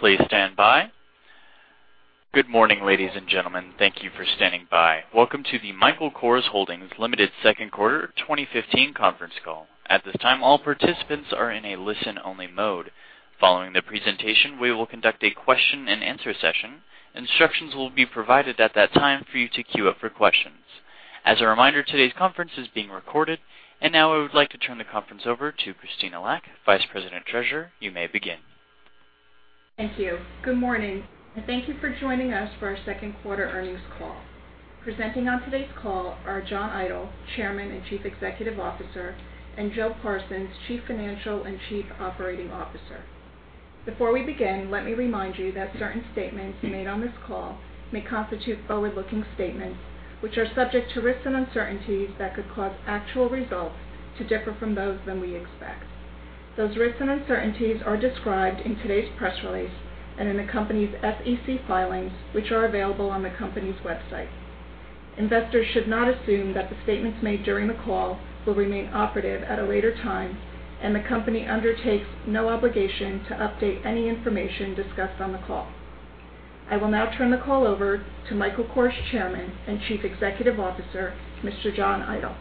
Please stand by. Good morning, ladies and gentlemen. Thank you for standing by. Welcome to the Michael Kors Holdings Limited Second Quarter 2015 Conference Call. At this time, all participants are in a listen-only mode. Following the presentation, we will conduct a question and answer session. Instructions will be provided at that time for you to queue up for questions. As a reminder, today's conference is being recorded. Now I would like to turn the conference over to Krista Kulyk, Vice President Treasurer. You may begin. Thank you. Good morning. Thank you for joining us for our second quarter earnings call. Presenting on today's call are John Idol, Chairman and Chief Executive Officer. Joe Parsons, Chief Financial and Chief Operating Officer. Before we begin, let me remind you that certain statements made on this call may constitute forward-looking statements, which are subject to risks and uncertainties that could cause actual results to differ from those than we expect. Those risks and uncertainties are described in today's press release and in the company's SEC filings, which are available on the company's website. Investors should not assume that the statements made during the call will remain operative at a later time. The company undertakes no obligation to update any information discussed on the call. I will now turn the call over to Michael Kors Chairman and Chief Executive Officer, Mr. John Idol.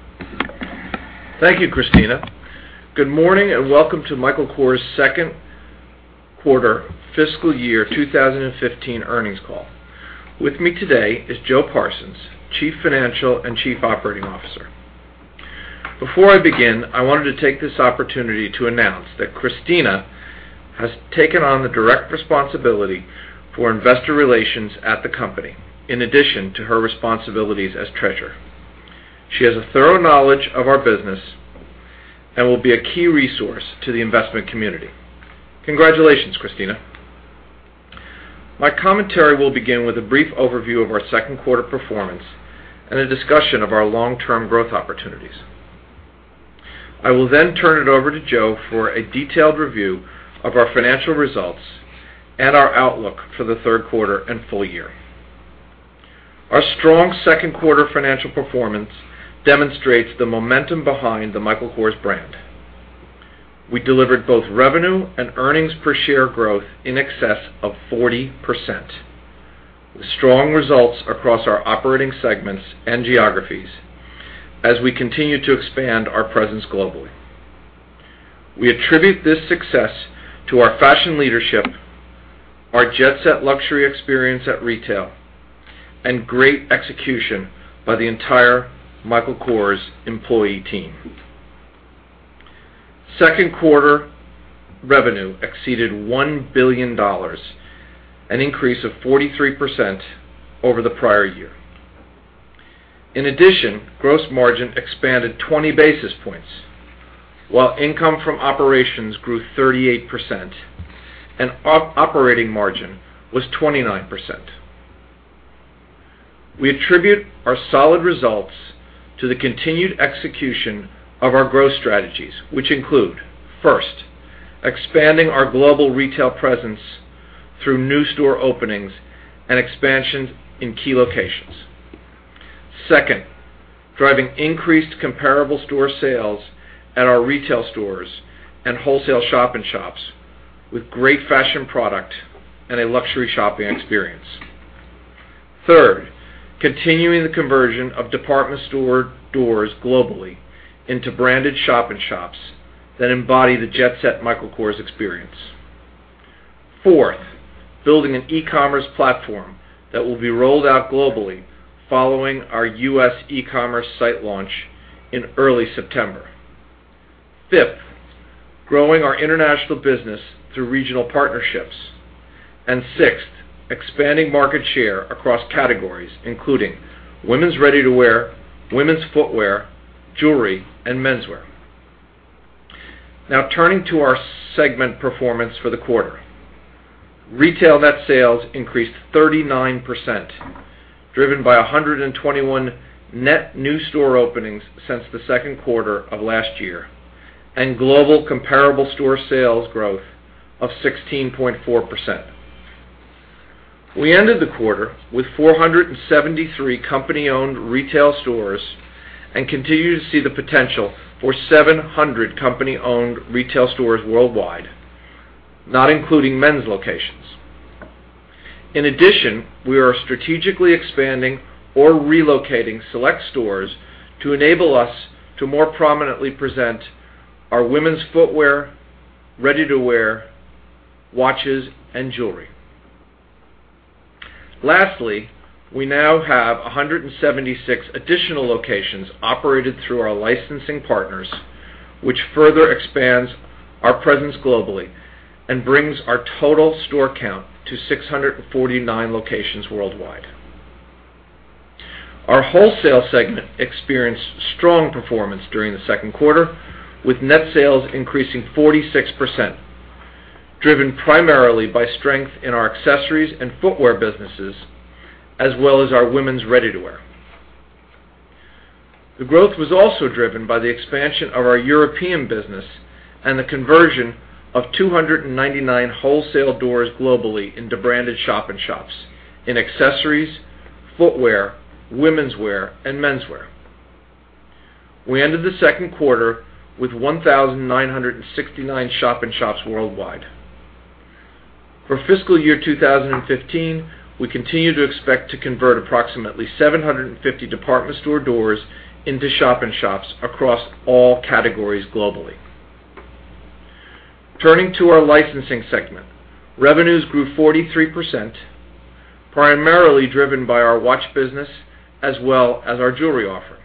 Thank you, Krista. Good morning. Welcome to Michael Kors' second quarter fiscal year 2015 earnings call. With me today is Joe Parsons, Chief Financial Officer and Chief Operating Officer. Before I begin, I wanted to take this opportunity to announce that Krista has taken on the direct responsibility for investor relations at the company, in addition to her responsibilities as treasurer. She has a thorough knowledge of our business. Will be a key resource to the investment community. Congratulations, Krista. My commentary will begin with a brief overview of our second quarter performance. A discussion of our long-term growth opportunities. I will then turn it over to Joe for a detailed review of our financial results. Our outlook for the third quarter and full year. Our strong second quarter financial performance demonstrates the momentum behind the Michael Kors brand. We delivered both revenue and earnings per share growth in excess of 40%, with strong results across our operating segments and geographies as we continue to expand our presence globally. We attribute this success to our fashion leadership, our Jet Set luxury experience at retail. Great execution by the entire Michael Kors employee team. Second quarter revenue exceeded $1 billion, an increase of 43% over the prior year. In addition, gross margin expanded 20 basis points, while income from operations grew 38% and operating margin was 29%. We attribute our solid results to the continued execution of our growth strategies, which include, first, expanding our global retail presence through new store openings. Expansion in key locations. Second, driving increased comparable store sales at our retail stores. Wholesale shop-in-shops with great fashion product. A luxury shopping experience. Third, continuing the conversion of department stores globally into branded shop-in-shops that embody the Jet Set Michael Kors experience. Fourth, building an e-commerce platform that will be rolled out globally following our U.S. e-commerce site launch in early September. Fifth, growing our international business through regional partnerships. Sixth, expanding market share across categories, including women's ready-to-wear, women's footwear, jewelry, and menswear. Now turning to our segment performance for the quarter. Retail net sales increased 39%, driven by 121 net new store openings since the second quarter of last year and global comparable store sales growth of 16.4%. We ended the quarter with 473 company-owned retail stores and continue to see the potential for 700 company-owned retail stores worldwide, not including men's locations. In addition, we are strategically expanding or relocating select stores to enable us to more prominently present our women's footwear, ready-to-wear, watches, and jewelry. Lastly, we now have 176 additional locations operated through our licensing partners, which further expands our presence globally and brings our total store count to 649 locations worldwide. Our wholesale segment experienced strong performance during the second quarter, with net sales increasing 46%, driven primarily by strength in our accessories and footwear businesses, as well as our women's ready-to-wear. The growth was also driven by the expansion of our European business and the conversion of 299 wholesale doors globally into branded shop-in-shops in accessories, footwear, womenswear, and menswear. We ended the second quarter with 1,969 shop-in-shops worldwide. For fiscal year 2015, we continue to expect to convert approximately 750 department store doors into shop-in-shops across all categories globally. Turning to our licensing segment, revenues grew 43%, primarily driven by our watch business as well as our jewelry offering.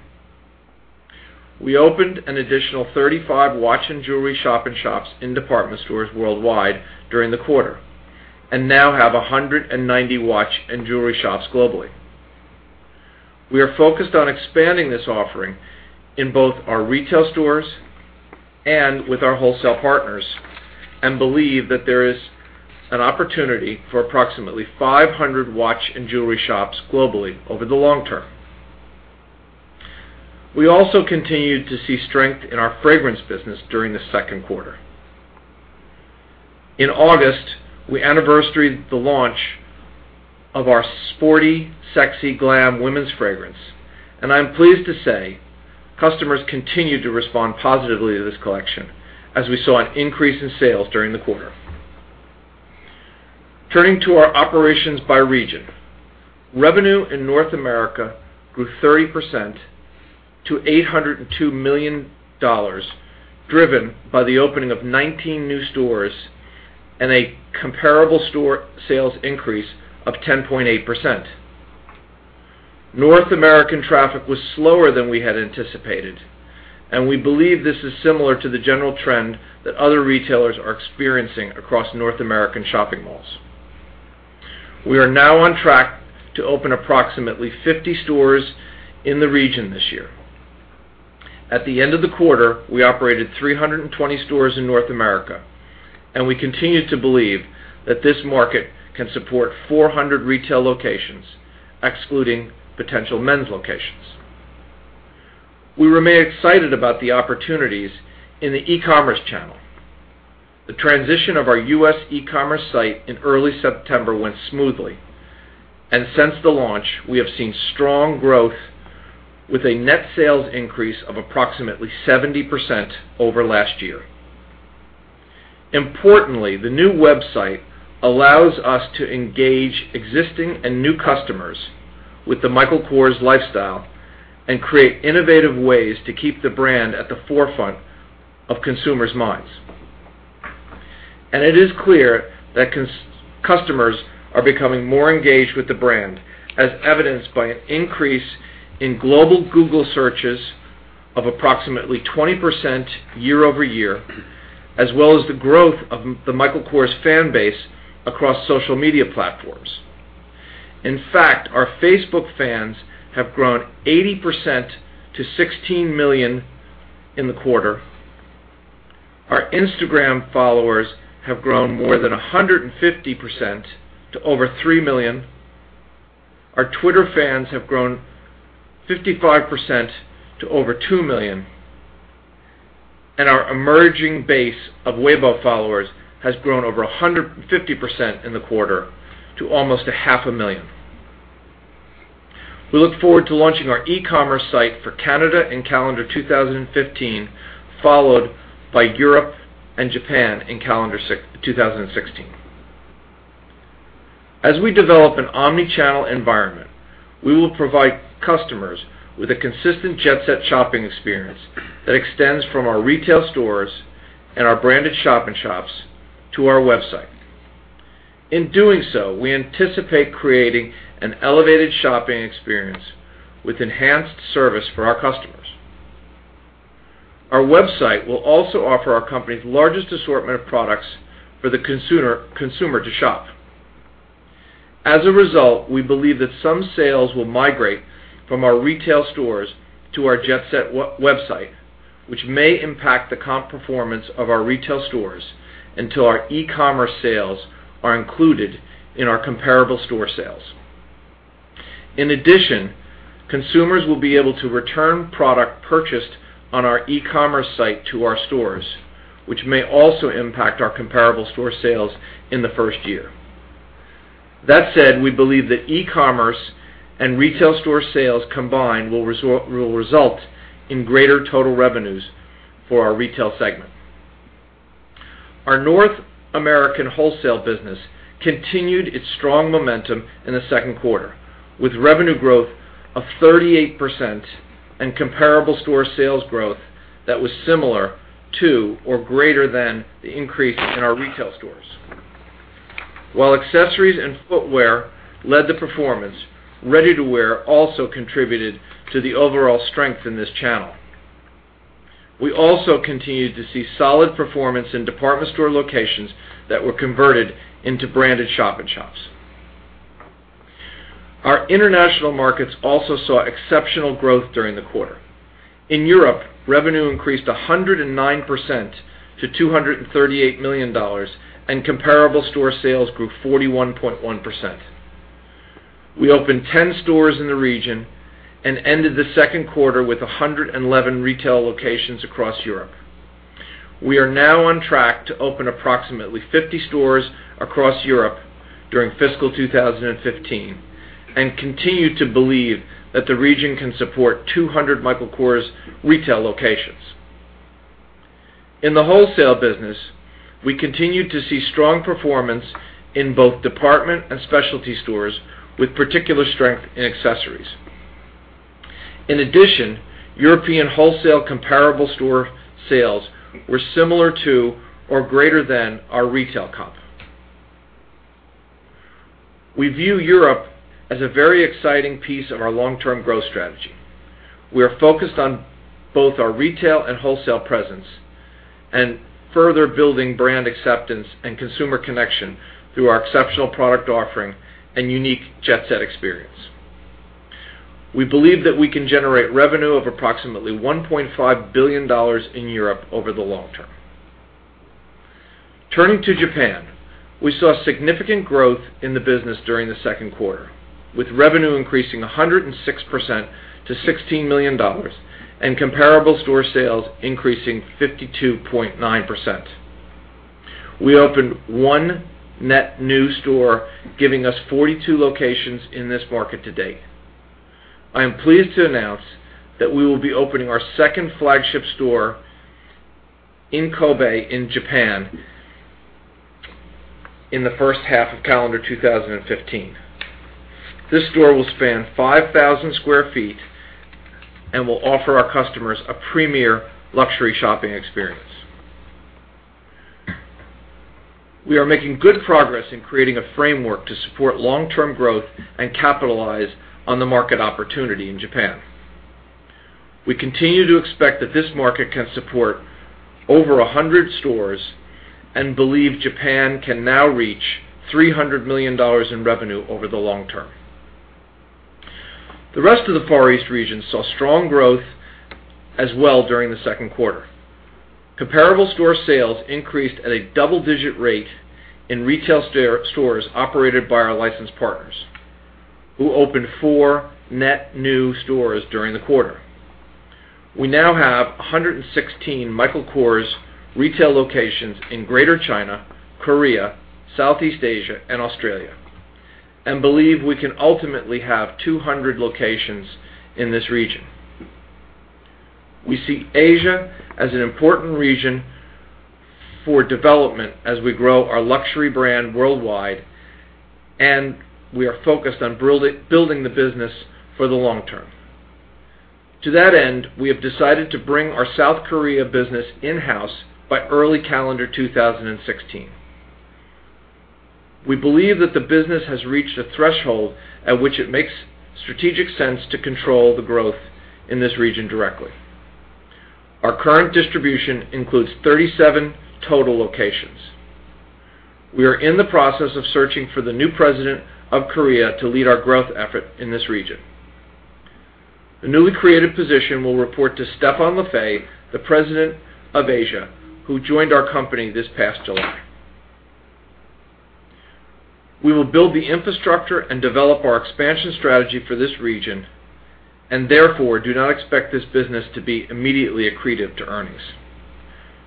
We opened an additional 35 watch and jewelry shop-in-shops in department stores worldwide during the quarter, and now have 190 watch and jewelry shops globally. We are focused on expanding this offering in both our retail stores and with our wholesale partners, and believe that there is an opportunity for approximately 500 watch and jewelry shops globally over the long term. We also continued to see strength in our fragrance business during the second quarter. In August, we anniversaried the launch of our Sporty Sexy Glam women's fragrance, and I'm pleased to say customers continued to respond positively to this collection as we saw an increase in sales during the quarter. Turning to our operations by region. Revenue in North America grew 30% to $802 million, driven by the opening of 19 new stores and a comparable store sales increase of 10.8%. North American traffic was slower than we had anticipated, and we believe this is similar to the general trend that other retailers are experiencing across North American shopping malls. We are now on track to open approximately 50 stores in the region this year. At the end of the quarter, we operated 320 stores in North America, and we continue to believe that this market can support 400 retail locations, excluding potential men's locations. We remain excited about the opportunities in the e-commerce channel. The transition of our U.S. e-commerce site in early September went smoothly, and since the launch, we have seen strong growth with a net sales increase of approximately 70% over last year. Importantly, the new website allows us to engage existing and new customers with the Michael Kors lifestyle and create innovative ways to keep the brand at the forefront of consumers' minds. It is clear that customers are becoming more engaged with the brand, as evidenced by an increase in global Google searches of approximately 20% year-over-year, as well as the growth of the Michael Kors fan base across social media platforms. In fact, our Facebook fans have grown 80% to 16 million in the quarter. Our Instagram followers have grown more than 150% to over 3 million. Our Twitter fans have grown 55% to over 2 million, and our emerging base of Weibo followers has grown over 150% in the quarter to almost a half a million. We look forward to launching our e-commerce site for Canada in calendar 2015, followed by Europe and Japan in calendar 2016. As we develop an omni-channel environment, we will provide customers with a consistent Jet Set shopping experience that extends from our retail stores and our branded shop-in-shops to our website. In doing so, we anticipate creating an elevated shopping experience with enhanced service for our customers. Our website will also offer our company's largest assortment of products for the consumer to shop. As a result, we believe that some sales will migrate from our retail stores to our Jet Set website, which may impact the comp performance of our retail stores until our e-commerce sales are included in our comparable store sales. In addition, consumers will be able to return product purchased on our e-commerce site to our stores, which may also impact our comparable store sales in the first year. That said, we believe that e-commerce and retail store sales combined will result in greater total revenues for our retail segment. Our North American wholesale business continued its strong momentum in the second quarter with revenue growth of 38% and comparable store sales growth that was similar to or greater than the increase in our retail stores. While accessories and footwear led the performance, ready-to-wear also contributed to the overall strength in this channel. We also continued to see solid performance in department store locations that were converted into branded shop-in-shops. Our international markets also saw exceptional growth during the quarter. In Europe, revenue increased 109% to $238 million, and comparable store sales grew 41.1%. We opened 10 stores in the region and ended the second quarter with 111 retail locations across Europe. We are now on track to open approximately 50 stores across Europe during fiscal 2015 and continue to believe that the region can support 200 Michael Kors retail locations. In the wholesale business, we continue to see strong performance in both department and specialty stores, with particular strength in accessories. In addition, European wholesale comparable store sales were similar to or greater than our retail comp. We view Europe as a very exciting piece of our long-term growth strategy. We are focused on both our retail and wholesale presence and further building brand acceptance and consumer connection through our exceptional product offering and unique Jet Set experience. We believe that we can generate revenue of approximately $1.5 billion in Europe over the long term. Turning to Japan, we saw significant growth in the business during the second quarter, with revenue increasing 106% to $16 million and comparable store sales increasing 52.9%. We opened one net new store, giving us 42 locations in this market to date. I am pleased to announce that we will be opening our second flagship store in Kobe in Japan in the first half of calendar 2015. This store will span 5,000 sq ft and will offer our customers a premier luxury shopping experience. We are making good progress in creating a framework to support long-term growth and capitalize on the market opportunity in Japan. We continue to expect that this market can support over 100 stores and believe Japan can now reach $300 million in revenue over the long term. The rest of the Far East region saw strong growth as well during the second quarter. Comparable store sales increased at a double-digit rate in retail stores operated by our licensed partners, who opened four net new stores during the quarter. We now have 116 Michael Kors retail locations in Greater China, Korea, Southeast Asia, and Australia and believe we can ultimately have 200 locations in this region. We see Asia as an important region for development as we grow our luxury brand worldwide, and we are focused on building the business for the long term. To that end, we have decided to bring our South Korea business in-house by early calendar 2016. We believe that the business has reached a threshold at which it makes strategic sense to control the growth in this region directly. Our current distribution includes 37 total locations. We are in the process of searching for the new president of Korea to lead our growth effort in this region. The newly created position will report to Stephane Lefebvre, the President of Asia, who joined our company this past July. We will build the infrastructure and develop our expansion strategy for this region and therefore do not expect this business to be immediately accretive to earnings.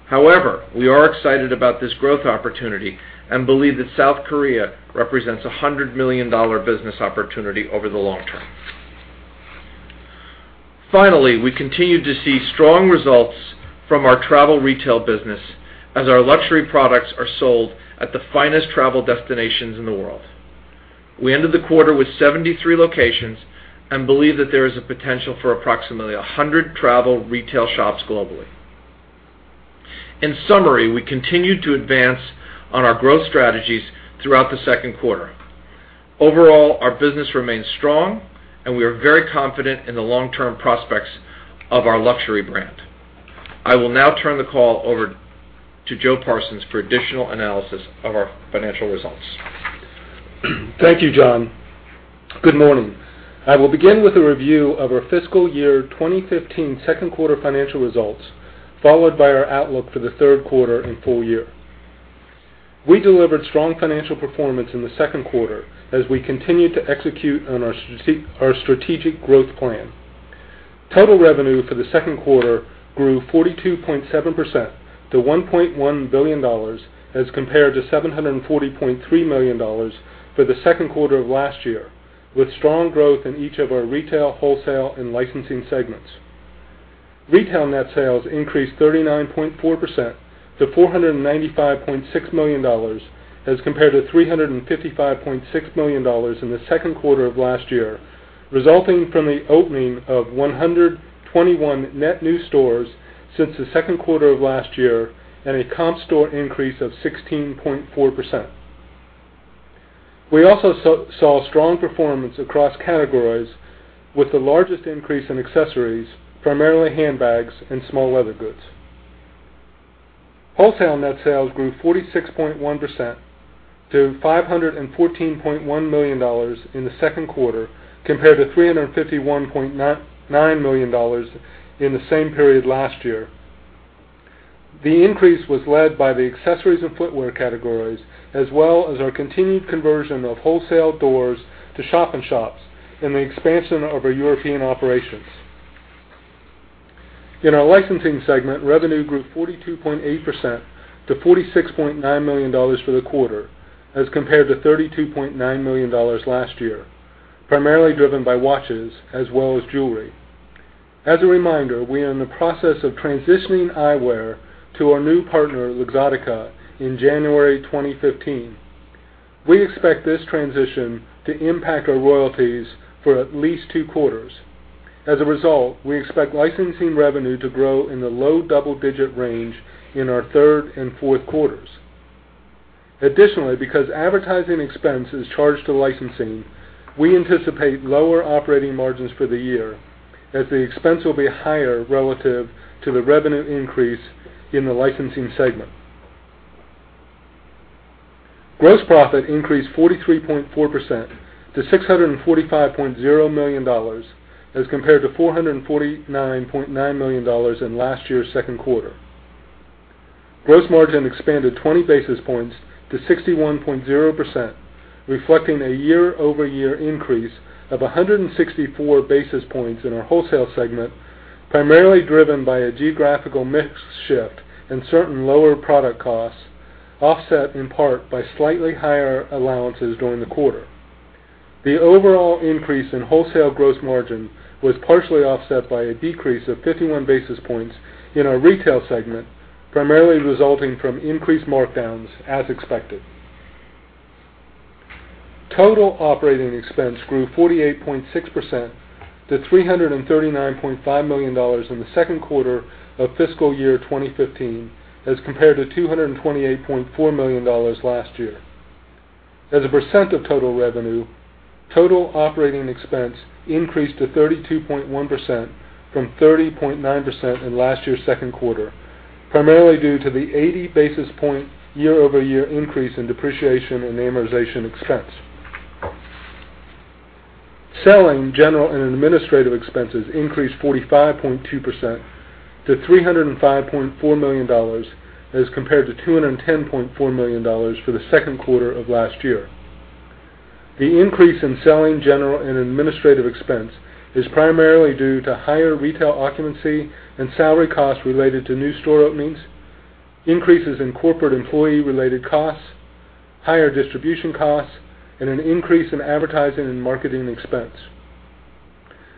However, we are excited about this growth opportunity and believe that South Korea represents a $100 million business opportunity over the long term. Finally, we continue to see strong results from our travel retail business as our luxury products are sold at the finest travel destinations in the world. We ended the quarter with 73 locations and believe that there is a potential for approximately 100 travel retail shops globally. In summary, we continue to advance on our growth strategies throughout the second quarter. Overall, our business remains strong, and we are very confident in the long-term prospects of our luxury brand. I will now turn the call over to Joe Parsons for additional analysis of our financial results. Thank you, John. Good morning. I will begin with a review of our fiscal year 2015 second quarter financial results, followed by our outlook for the third quarter and full year. We delivered strong financial performance in the second quarter as we continued to execute on our strategic growth plan. Total revenue for the second quarter grew 42.7% to $1.1 billion as compared to $740.3 million for the second quarter of last year, with strong growth in each of our retail, wholesale, and licensing segments. Retail net sales increased 39.4% to $495.6 million as compared to $355.6 million in the second quarter of last year, resulting from the opening of 121 net new stores since the second quarter of last year and a comp store increase of 16.4%. We also saw strong performance across categories with the largest increase in accessories, primarily handbags and small leather goods. Wholesale net sales grew 46.1% to $514.1 million in the second quarter, compared to $351.9 million in the same period last year. The increase was led by the accessories and footwear categories, as well as our continued conversion of wholesale doors to shop-in-shops. The expansion of our European operations. In our licensing segment, revenue grew 42.8% to $46.9 million for the quarter as compared to $32.9 million last year. Primarily driven by watches as well as jewelry. As a reminder, we are in the process of transitioning eyewear to our new partner, Luxottica, in January 2015. We expect this transition to impact our royalties for at least two quarters. As a result, we expect licensing revenue to grow in the low double-digit range in our third and fourth quarters. Additionally, because advertising expense is charged to licensing, we anticipate lower operating margins for the year as the expense will be higher relative to the revenue increase in the licensing segment. Gross profit increased 43.4% to $645.0 million as compared to $449.9 million in last year's second quarter. Gross margin expanded 20 basis points to 61.0%, reflecting a year-over-year increase of 164 basis points in our wholesale segment, primarily driven by a geographical mix shift and certain lower product costs, offset in part by slightly higher allowances during the quarter. The overall increase in wholesale gross margin was partially offset by a decrease of 51 basis points in our retail segment, primarily resulting from increased markdowns as expected. Total operating expense grew 48.6% to $339.5 million in the second quarter of fiscal year 2015, as compared to $228.4 million last year. As a percent of total revenue, total operating expense increased to 32.1% from 30.9% in last year's second quarter, primarily due to the 80 basis point year-over-year increase in Depreciation and Amortization expense. Selling, General and Administrative expenses increased 45.2% to $305.4 million as compared to $210.4 million for the second quarter of last year. The increase in Selling, General and Administrative expense is primarily due to higher retail occupancy and salary costs related to new store openings, increases in corporate employee-related costs, higher distribution costs, and an increase in advertising and marketing expense.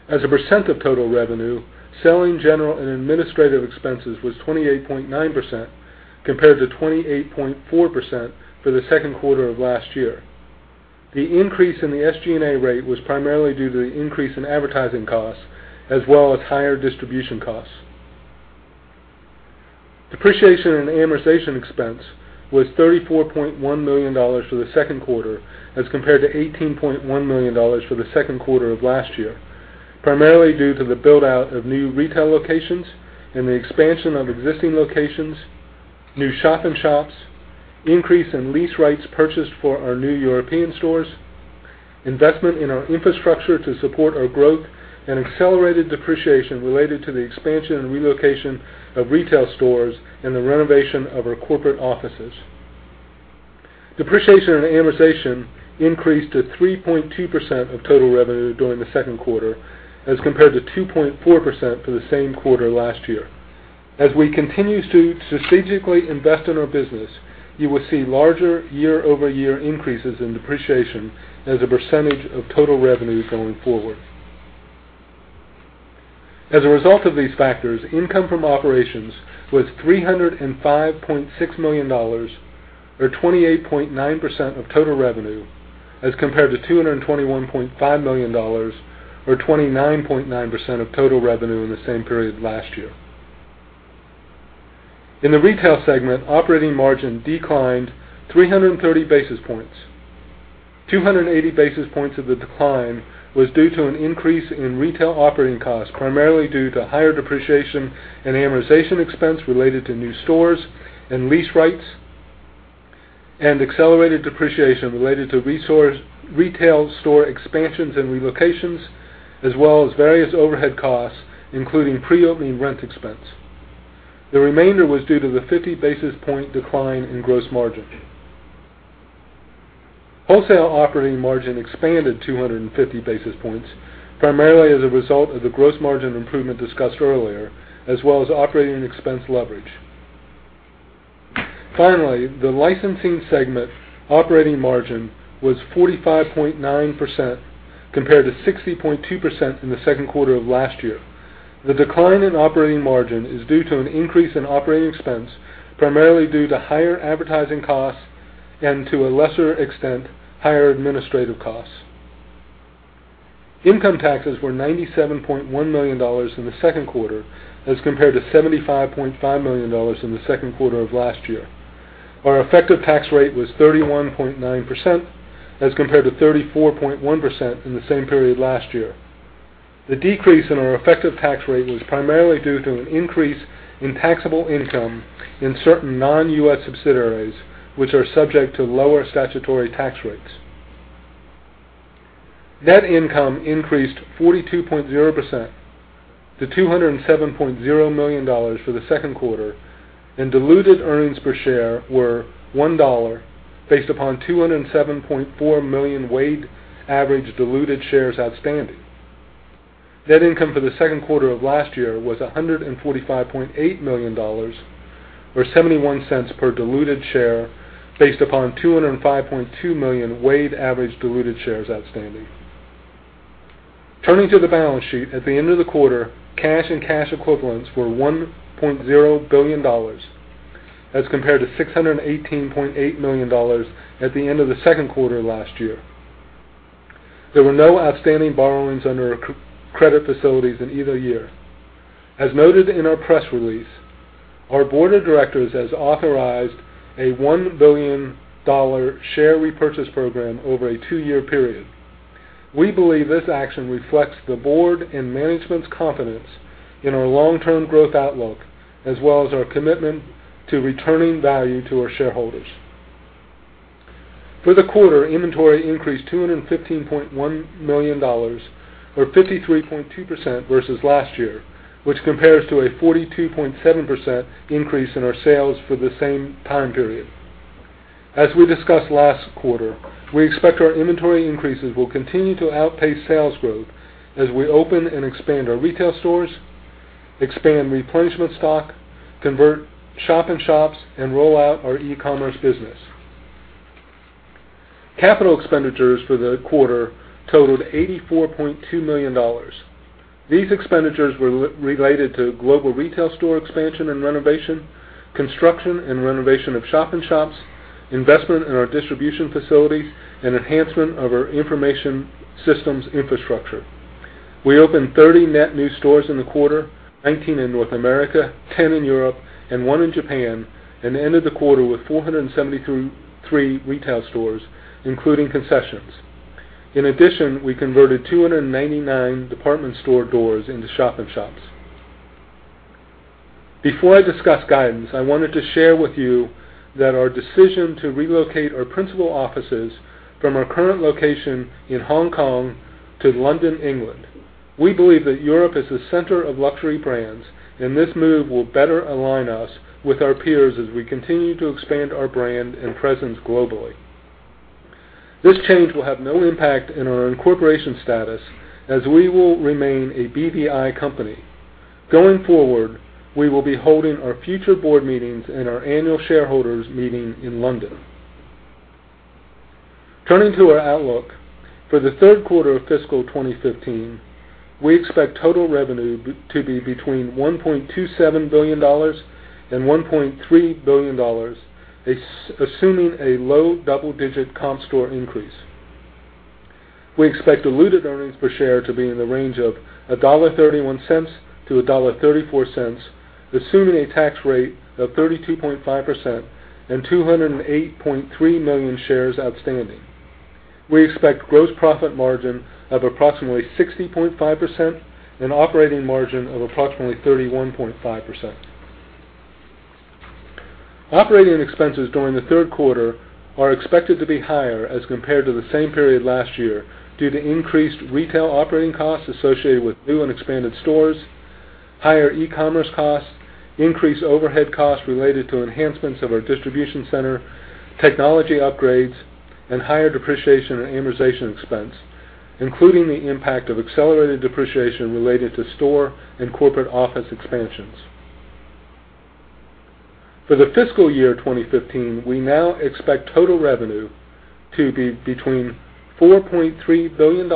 As a percent of total revenue, Selling, General and Administrative expenses was 28.9% compared to 28.4% for the second quarter of last year. The increase in the SG&A rate was primarily due to the increase in advertising costs as well as higher distribution costs. Depreciation and Amortization expense was $34.1 million for the second quarter, as compared to $18.1 million for the second quarter of last year. Primarily due to the build-out of new retail locations and the expansion of existing locations, new shop-in-shops, increase in lease rights purchased for our new European stores, investment in our infrastructure to support our growth, and accelerated depreciation related to the expansion and relocation of retail stores and the renovation of our corporate offices. Depreciation and Amortization increased to 3.2% of total revenue during the second quarter as compared to 2.4% for the same quarter last year. As we continue to strategically invest in our business, you will see larger year-over-year increases in depreciation as a percentage of total revenue going forward. As a result of these factors, income from operations was $305.6 million or 28.9% of total revenue as compared to $221.5 million or 29.9% of total revenue in the same period last year. In the retail segment, operating margin declined 330 basis points. 280 basis points of the decline was due to an increase in retail operating costs, primarily due to higher Depreciation and Amortization expense related to new stores and lease rights. Accelerated depreciation related to retail store expansions and relocations, as well as various overhead costs, including pre-opening rent expense. The remainder was due to the 50 basis point decline in gross margin. Wholesale operating margin expanded 250 basis points, primarily as a result of the gross margin improvement discussed earlier, as well as operating expense leverage. Finally, the licensing segment operating margin was 45.9% compared to 60.2% in the second quarter of last year. The decline in operating margin is due to an increase in operating expense, primarily due to higher advertising costs and to a lesser extent, higher administrative costs. Income taxes were $97.1 million in the second quarter as compared to $75.5 million in the second quarter of last year. Our effective tax rate was 31.9% as compared to 34.1% in the same period last year. The decrease in our effective tax rate was primarily due to an increase in taxable income in certain non-U.S. subsidiaries, which are subject to lower statutory tax rates. Net income increased 42.0% to $207.0 million for the second quarter, and diluted earnings per share were $1, based upon 207.4 million weighted average diluted shares outstanding. Net income for the second quarter of last year was $145.8 million, or $0.71 per diluted share, based upon 205.2 million weighted average diluted shares outstanding. Turning to the balance sheet. At the end of the quarter, cash and cash equivalents were $1.0 billion, as compared to $618.8 million at the end of the second quarter last year. There were no outstanding borrowings under our credit facilities in either year. As noted in our press release, our Board of Directors has authorized a $1 billion share repurchase program over a two-year period. We believe this action reflects the board and management's confidence in our long-term growth outlook, as well as our commitment to returning value to our shareholders. For the quarter, inventory increased to $215.1 million, or 53.2% versus last year, which compares to a 42.7% increase in our sales for the same time period. As we discussed last quarter, we expect our inventory increases will continue to outpace sales growth as we open and expand our retail stores, expand replenishment stock, convert shop-in-shops, and roll out our e-commerce business. Capital Expenditures for the quarter totaled $84.2 million. These expenditures were related to global retail store expansion and renovation, construction and renovation of shop-in-shops, investment in our distribution facilities, and enhancement of our information systems infrastructure. We opened 30 net new stores in the quarter, 19 in North America, 10 in Europe, and one in Japan, and ended the quarter with 473 retail stores, including concessions. In addition, we converted 299 department store doors into shop-in-shops. Before I discuss guidance, I wanted to share with you that our decision to relocate our principal offices from our current location in Hong Kong to London, England. We believe that Europe is the center of luxury brands. This move will better align us with our peers as we continue to expand our brand and presence globally. This change will have no impact on our incorporation status, as we will remain a BVI company. Going forward, we will be holding our future board meetings and our annual shareholders meeting in London. Turning to our outlook. For the third quarter of fiscal 2015, we expect total revenue to be between $1.27 billion and $1.3 billion, assuming a low double-digit comp store increase. We expect diluted earnings per share to be in the range of $1.31-$1.34, assuming a tax rate of 32.5% and 208.3 million shares outstanding. We expect gross profit margin of approximately 60.5% and operating margin of approximately 31.5%. Operating expenses during the third quarter are expected to be higher as compared to the same period last year due to increased retail operating costs associated with new and expanded stores, higher e-commerce costs, increased overhead costs related to enhancements of our distribution center, technology upgrades, and higher depreciation and amortization expense, including the impact of accelerated depreciation related to store and corporate office expansions. For the fiscal year 2015, we now expect total revenue to be between $4.3 billion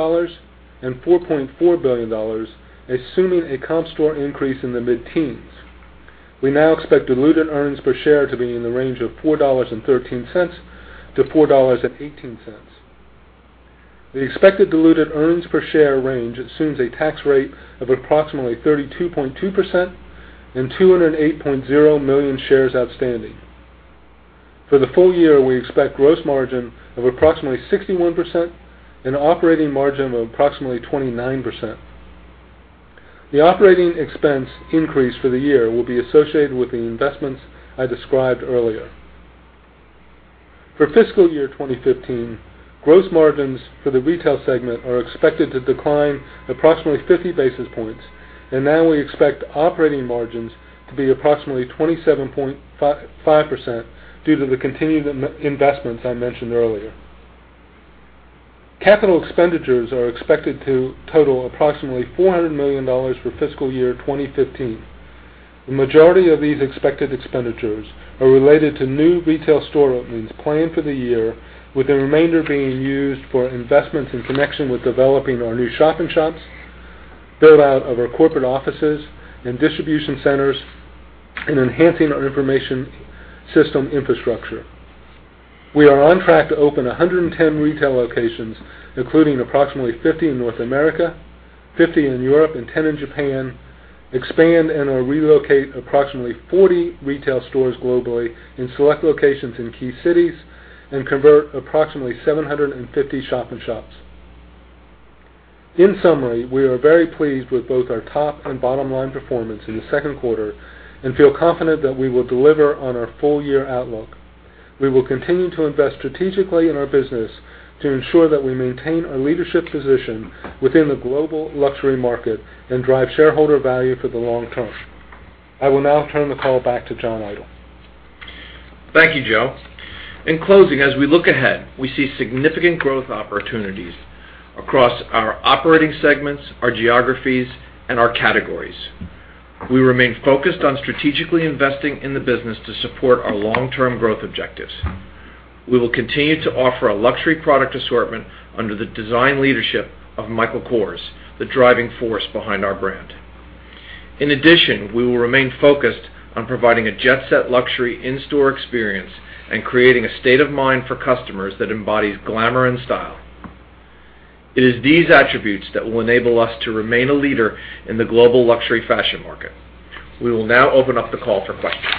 and $4.4 billion, assuming a comp store increase in the mid-teens. We now expect diluted earnings per share to be in the range of $4.13-$4.18. The expected diluted earnings per share range assumes a tax rate of approximately 32.2% and 208.0 million shares outstanding. For the full year, we expect gross margin of approximately 61% and operating margin of approximately 29%. The operating expense increase for the year will be associated with the investments I described earlier. For fiscal year 2015, gross margins for the retail segment are expected to decline approximately 50 basis points and now we expect operating margins to be approximately 27.5% due to the continued investments I mentioned earlier. Capital expenditures are expected to total approximately $400 million for fiscal year 2015. The majority of these expected expenditures are related to new retail store openings planned for the year, with the remainder being used for investments in connection with developing our new shop-in-shops, build-out of our corporate offices and distribution centers, and enhancing our information system infrastructure. We are on track to open 110 retail locations, including approximately 50 in North America, 50 in Europe, and 10 in Japan, expand and/or relocate approximately 40 retail stores globally in select locations in key cities and convert approximately 750 shop-in-shops. In summary, we are very pleased with both our top and bottom-line performance in the second quarter and feel confident that we will deliver on our full-year outlook. We will continue to invest strategically in our business to ensure that we maintain our leadership position within the global luxury market and drive shareholder value for the long term. I will now turn the call back to John Idol. Thank you, Joe. In closing, as we look ahead, we see significant growth opportunities across our operating segments, our geographies, and our categories. We remain focused on strategically investing in the business to support our long-term growth objectives. We will continue to offer a luxury product assortment under the design leadership of Michael Kors, the driving force behind our brand. In addition, we will remain focused on providing a Jet Set luxury in-store experience and creating a state of mind for customers that embodies glamour and style. It is these attributes that will enable us to remain a leader in the global luxury fashion market. We will now open up the call for questions.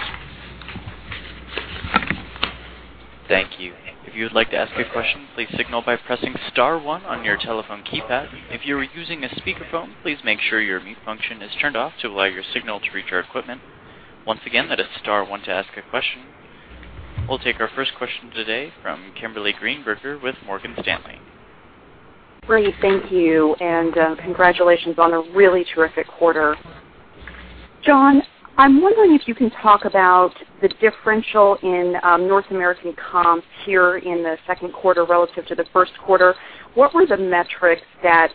Thank you. If you'd like to ask a question, please signal by pressing star one on your telephone keypad. If you are using a speakerphone, please make sure your mute function is turned off to allow your signal to reach our equipment. Once again, that is star one to ask a question. We'll take our first question today from Kimberly Greenberger with Morgan Stanley. Great. Thank you, and congratulations on a really terrific quarter. John, I'm wondering if you can talk about the differential in North American comps here in the second quarter relative to the first quarter. What were the metrics that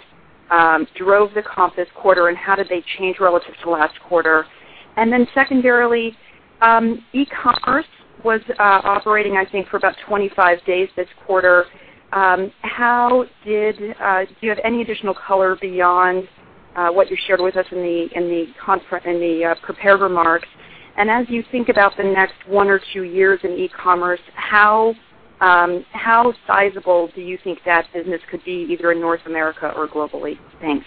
drove the comp this quarter, and how did they change relative to last quarter? Secondarily, e-commerce was operating, I think, for about 25 days this quarter. Do you have any additional color beyond what you shared with us in the prepared remarks? As you think about the next one or two years in e-commerce, how sizable do you think that business could be, either in North America or globally? Thanks.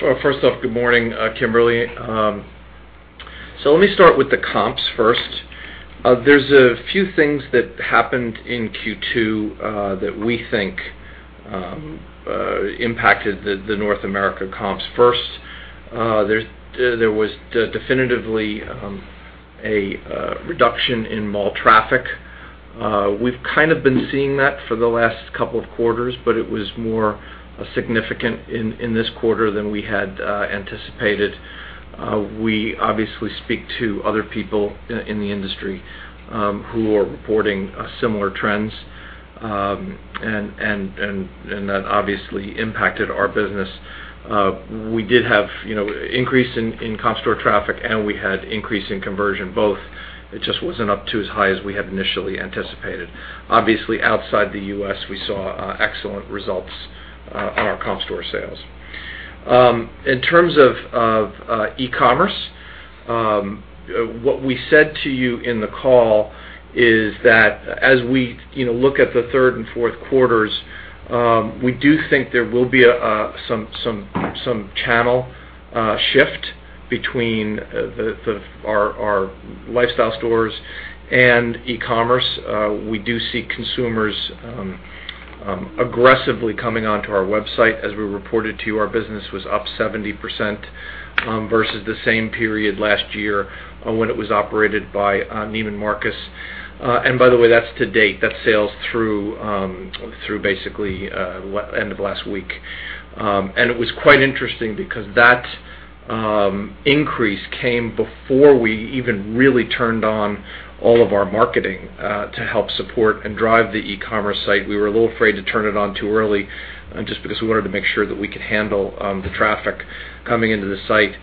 First off, good morning, Kimberly. Let me start with the comps first. There's a few things that happened in Q2 that we think impacted the North America comps. First, there was definitively a reduction in mall traffic. We've kind of been seeing that for the last couple of quarters, but it was more significant in this quarter than we had anticipated. We obviously speak to other people in the industry who are reporting similar trends, that obviously impacted our business. We did have increase in comp store traffic, we had increase in conversion both. It just wasn't up to as high as we had initially anticipated. Obviously, outside the U.S., we saw excellent results on our comp store sales. In terms of e-commerce, what we said to you in the call is that as we look at the third and fourth quarters, we do think there will be some channel shift between our lifestyle stores and e-commerce. We do see consumers aggressively coming onto our website. As we reported to you, our business was up 70% versus the same period last year when it was operated by Neiman Marcus. By the way, that's to date. That's sales through basically end of last week. It was quite interesting because that increase came before we even really turned on all of our marketing to help support and drive the e-commerce site. We were a little afraid to turn it on too early just because we wanted to make sure that we could handle the traffic coming into the site.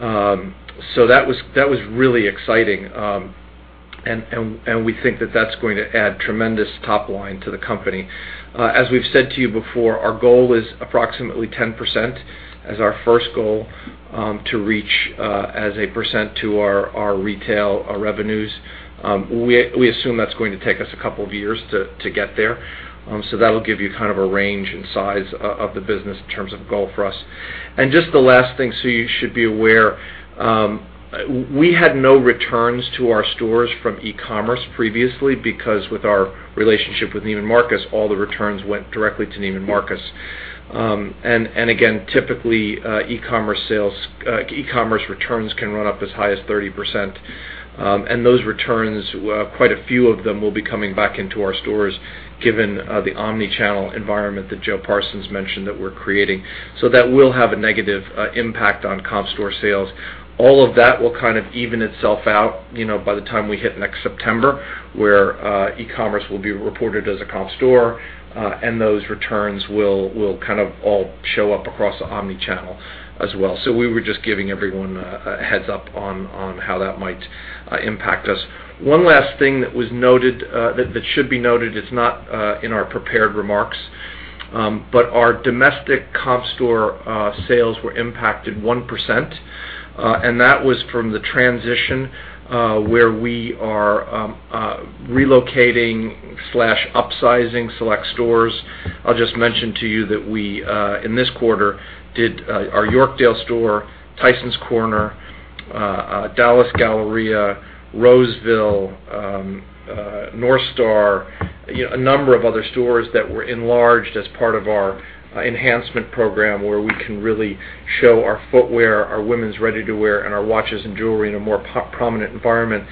That was really exciting, and we think that that's going to add tremendous top line to the company. As we've said to you before, our goal is approximately 10% as our first goal to reach as a percent to our retail revenues. We assume that's going to take us a couple of years to get there. That'll give you kind of a range in size of the business in terms of goal for us. Just the last thing, so you should be aware, we had no returns to our stores from e-commerce previously because with our relationship with Neiman Marcus, all the returns went directly to Neiman Marcus. Again, typically, e-commerce returns can run up as high as 30%, and those returns, quite a few of them will be coming back into our stores given the omni-channel environment that Joe Parsons mentioned that we're creating. That will have a negative impact on comp store sales. All of that will kind of even itself out by the time we hit next September, where e-commerce will be reported as a comp store, and those returns will kind of all show up across the omni-channel as well. We were just giving everyone a heads-up on how that might impact us. One last thing that should be noted, it's not in our prepared remarks, but our domestic comp store sales were impacted 1%, and that was from the transition where we are relocating/upsizing select stores. I'll just mention to you that we, in this quarter, did our Yorkdale store, Tysons Corner, Dallas Galleria, Roseville, North Star, a number of other stores that were enlarged as part of our enhancement program where we can really show our footwear, our women's ready-to-wear, and our watches and jewelry in a more prominent environment.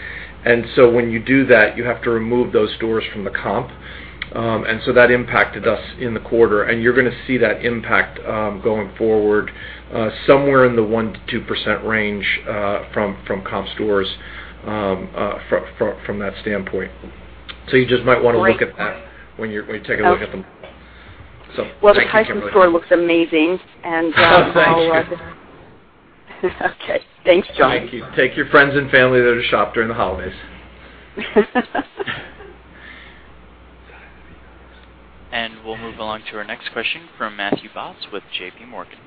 When you do that, you have to remove those stores from the comp. That impacted us in the quarter, and you're going to see that impact going forward somewhere in the 1%-2% range from comp stores from that standpoint. You just might want to look at that when you take a look at them. Okay. Thank you. The Tysons store looks amazing. Thanks. Thanks, John. Thank you. Take your friends and family there to shop during the holidays. We'll move along to our next question from Matthew Boss with JPMorgan.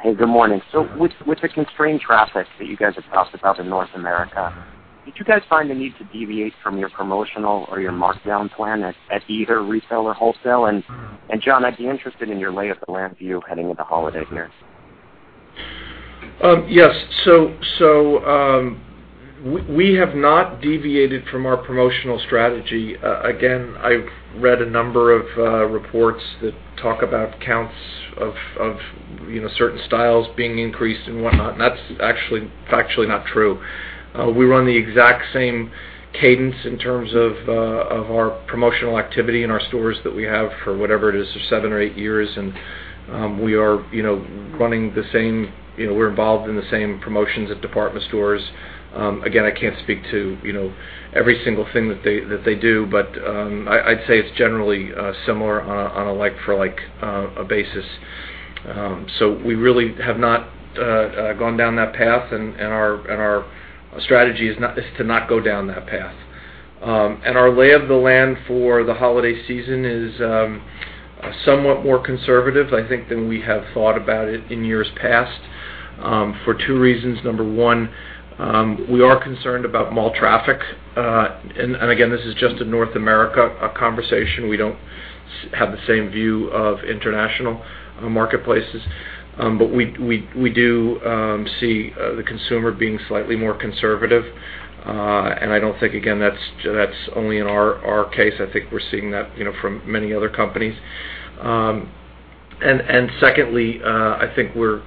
Hey, good morning. With the constrained traffic that you guys have talked about in North America, did you guys find the need to deviate from your promotional or your markdown plan at either retail or wholesale? John, I'd be interested in your lay of the land view heading into holidays here. Yes. We have not deviated from our promotional strategy. Again, I've read a number of reports that talk about counts of certain styles being increased and whatnot, and that's actually factually not true. We run the exact same cadence in terms of our promotional activity in our stores that we have for whatever it is, seven or eight years. We're involved in the same promotions at department stores. Again, I can't speak to every single thing that they do. I'd say it's generally similar on a like-for-like basis. We really have not gone down that path, and our strategy is to not go down that path. Our lay of the land for the holiday season is somewhat more conservative, I think, than we have thought about it in years past, for two reasons. Number one, we are concerned about mall traffic. This is just a North America conversation. We don't have the same view of international marketplaces. We do see the consumer being slightly more conservative. I don't think, again, that's only in our case. I think we're seeing that from many other companies. Secondly, I think we're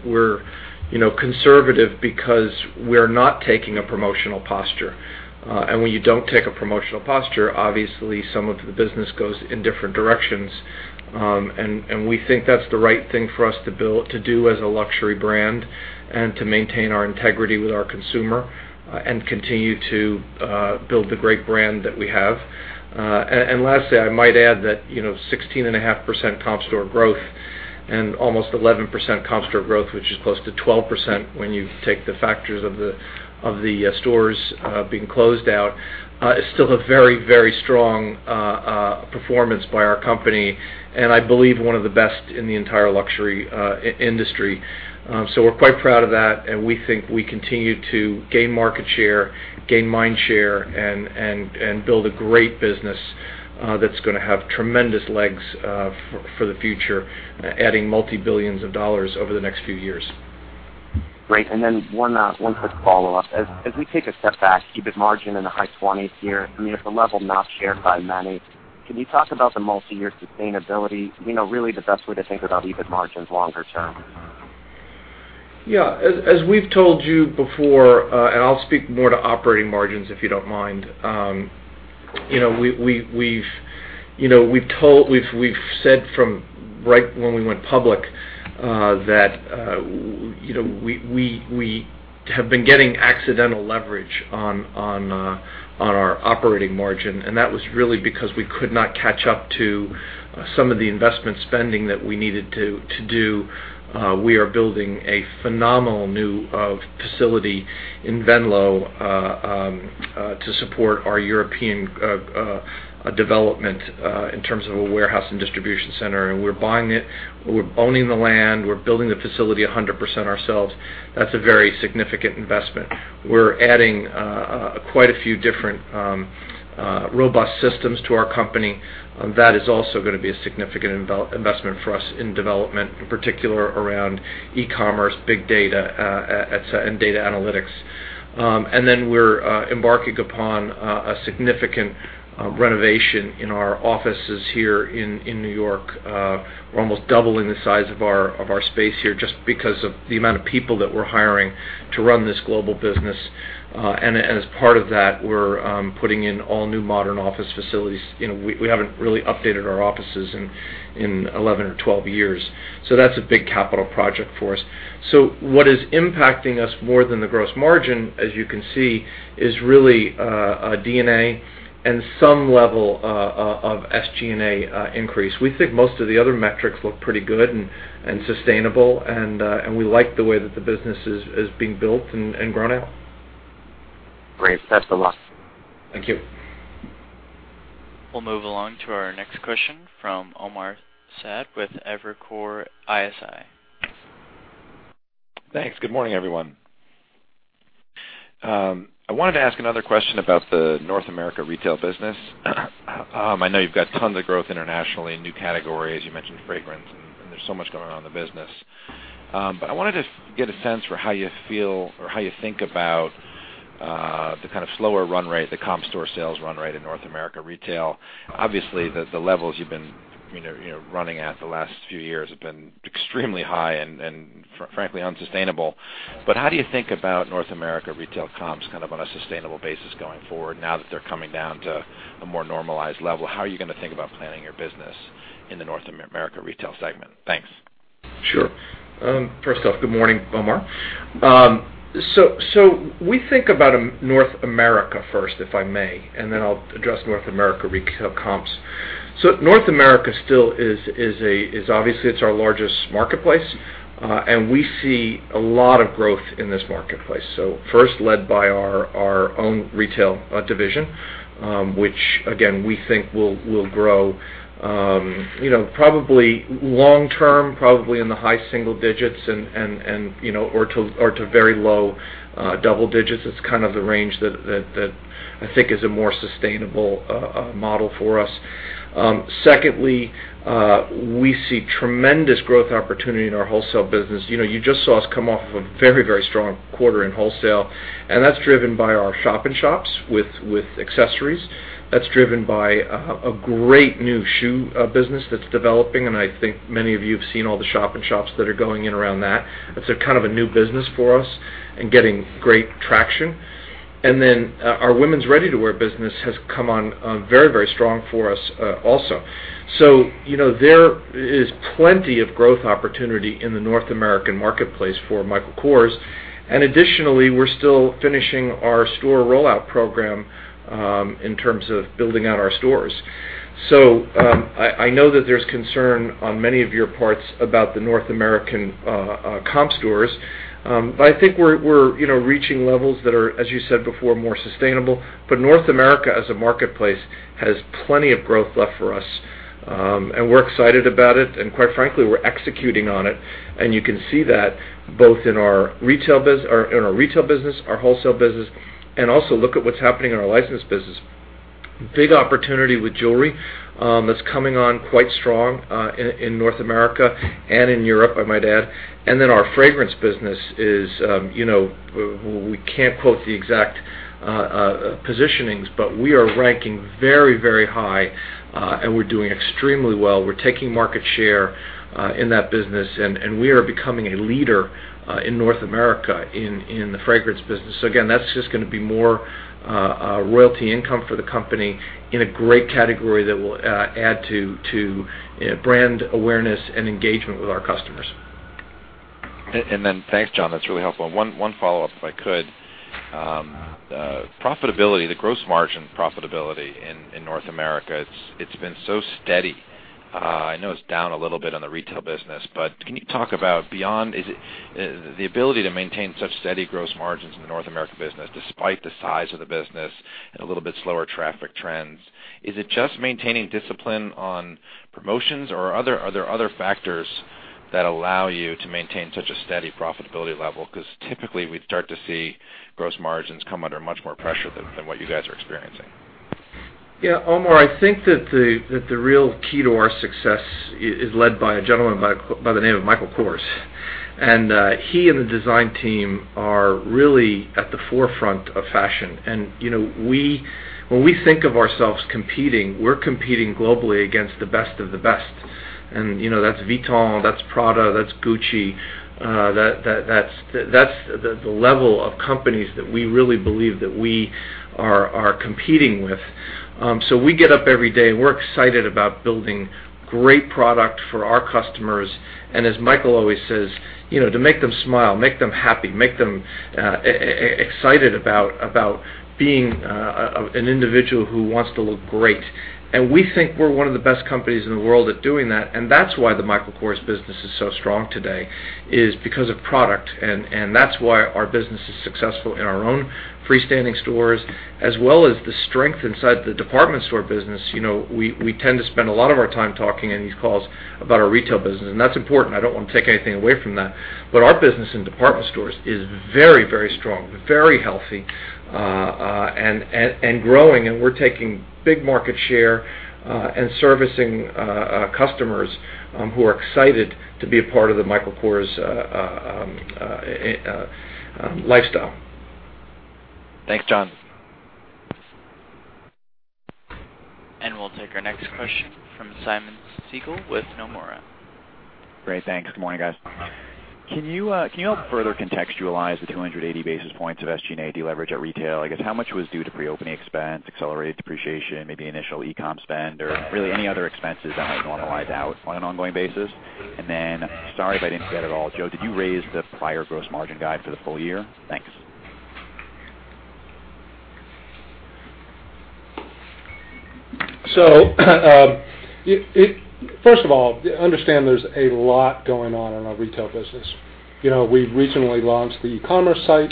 conservative because we're not taking a promotional posture. When you don't take a promotional posture, obviously some of the business goes in different directions. We think that's the right thing for us to do as a luxury brand and to maintain our integrity with our consumer and continue to build the great brand that we have. Lastly, I might add that 16.5% comp store growth and almost 11% comp store growth, which is close to 12% when you take the factors of the stores being closed out is still a very, very strong performance by our company, and I believe one of the best in the entire luxury industry. We're quite proud of that, and we think we continue to gain market share, gain mind share, and build a great business that's going to have tremendous legs for the future, adding multi-billions of dollars over the next few years. Great. One quick follow-up. As we take a step back, EBIT margin in the high 20s here, it's a level not shared by many. Can you talk about the multi-year sustainability, really the best way to think about EBIT margins longer term? As we've told you before, I'll speak more to operating margins, if you don't mind. We've said from right when we went public that we have been getting accidental leverage on our operating margin, that was really because we could not catch up to some of the investment spending that we needed to do. We are building a phenomenal new facility in Venlo to support our European development in terms of a warehouse and distribution center, we're buying it. We're owning the land, we're building the facility 100% ourselves. That's a very significant investment. We're adding quite a few different robust systems to our company. That is also going to be a significant investment for us in development, in particular around e-commerce, big data, and data analytics. We're embarking upon a significant renovation in our offices here in New York. We're almost doubling the size of our space here just because of the amount of people that we're hiring to run this global business. As part of that, we're putting in all new modern office facilities. We haven't really updated our offices in 11 or 12 years. That's a big capital project for us. What is impacting us more than the gross margin, as you can see, is really D&A and some level of SG&A increase. We think most of the other metrics look pretty good and sustainable, and we like the way that the business is being built and grown out. Great. That's the last. Thank you. We'll move along to our next question from Omar Saad with Evercore ISI. Thanks. Good morning, everyone. I wanted to ask another question about the North America retail business. I know you've got tons of growth internationally, new categories, you mentioned fragrance, and there's so much going on in the business. I wanted to get a sense for how you feel or how you think about the kind of slower run rate, the comp store sales run rate in North America retail. Obviously, the levels you've been running at the last few years have been extremely high and frankly unsustainable. How do you think about North America retail comps kind of on a sustainable basis going forward now that they're coming down to a more normalized level? How are you going to think about planning your business in the North America retail segment? Thanks. Sure. First off, good morning, Omar. We think about North America first, if I may, and then I'll address North America retail comps. North America still is obviously our largest marketplace, and we see a lot of growth in this marketplace. First, led by our own retail division, which again, we think will grow long term, probably in the high single digits or to very low double digits. It's kind of the range that I think is a more sustainable model for us. Secondly, we see tremendous growth opportunity in our wholesale business. You just saw us come off of a very strong quarter in wholesale, and that's driven by our shop-in-shops with accessories. That's driven by a great new shoe business that's developing, and I think many of you have seen all the shop-in-shops that are going in around that. That's kind of a new business for us and getting great traction. Our women's ready-to-wear business has come on very strong for us also. There is plenty of growth opportunity in the North American marketplace for Michael Kors. Additionally, we're still finishing our store rollout program in terms of building out our stores. I know that there's concern on many of your parts about the North American comp stores. I think we're reaching levels that are, as you said before, more sustainable. North America as a marketplace has plenty of growth left for us, and we're excited about it, and quite frankly, we're executing on it. You can see that both in our retail business, our wholesale business, and also look at what's happening in our licensed business. Big opportunity with jewelry. That's coming on quite strong in North America and in Europe, I might add. Our fragrance business is, we can't quote the exact positionings, but we are ranking very high, and we're doing extremely well. We're taking market share in that business, and we are becoming a leader in North America in the fragrance business. Again, that's just going to be more royalty income for the company in a great category that will add to brand awareness and engagement with our customers. Thanks, John. That's really helpful. One follow-up, if I could. Profitability, the gross margin profitability in North America, it's been so steady. I know it's down a little bit on the retail business, but can you talk about beyond the ability to maintain such steady gross margins in the North America business, despite the size of the business and a little bit slower traffic trends. Is it just maintaining discipline on promotions, or are there other factors that allow you to maintain such a steady profitability level? Because typically we'd start to see gross margins come under much more pressure than what you guys are experiencing. Omar, I think that the real key to our success is led by a gentleman by the name of Michael Kors. He and the design team are really at the forefront of fashion. When we think of ourselves competing, we're competing globally against the best of the best. That's Louis Vuitton, that's Prada, that's Gucci. That's the level of companies that we really believe that we are competing with. We get up every day, we're excited about building great product for our customers, and as Michael always says, to make them smile, make them happy, make them excited about being an individual who wants to look great. We think we're one of the best companies in the world at doing that's why the Michael Kors business is so strong today, is because of product, that's why our business is successful in our own freestanding stores as well as the strength inside the department store business. We tend to spend a lot of our time talking in these calls about our retail business, that's important. I don't want to take anything away from that. Our business in department stores is very strong, very healthy, growing, we're taking big market share and servicing customers who are excited to be a part of the Michael Kors lifestyle. Thanks, John. We'll take our next question from Simeon Siegel with Nomura. Great. Thanks. Good morning, guys. Can you help further contextualize the 280 basis points of SG&A deleverage at retail? I guess how much was due to pre-opening expense, accelerated depreciation, maybe initial e-com spend, or really any other expenses that might normalize out on an ongoing basis? Sorry if I didn't get it all. Joe, did you raise the prior gross margin guide for the full year? Thanks. First of all, understand there's a lot going on in our retail business. We've recently launched the e-commerce site.